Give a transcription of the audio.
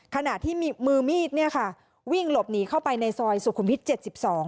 ขณะที่มือมีดเนี่ยค่ะวิ่งหลบหนีเข้าไปในซอยสุขุมวิทย๗๒